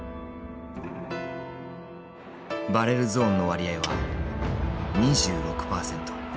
バレルゾーンの割合は２６％。